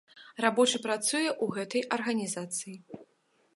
Рабочы працуе ў гэтай арганізацыі.